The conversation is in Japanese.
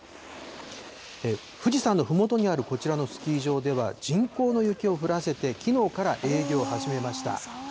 富士山のふもとにあるこちらのスキー場では、人工の雪を降らせてきのうから営業を始めました。